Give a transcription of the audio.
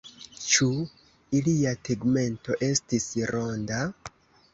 Ĉu ilia tegmento estis ronda?